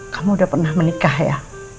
kamu udah pernah menikah ya